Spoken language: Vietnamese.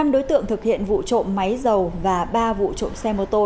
năm đối tượng thực hiện vụ trộm máy dầu và ba vụ trộm xe mô tô